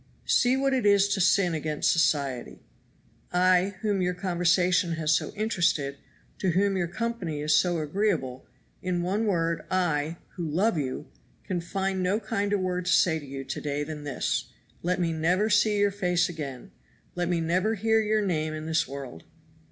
See what it is to sin against society. I, whom your conversation has so interested, to whom your company is so agreeable in one word, I, who love you, can find no kinder word to say to you to day than this let me never see your face again let me never hear your name in this world!"